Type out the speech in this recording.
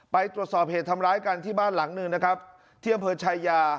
ไปตรวจสอบเหตุทำร้ายกันที่บ้านหลังหนึ่งนะครับที่อำเภอชายา